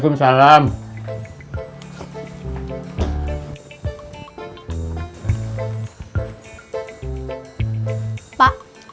memang kamu ibu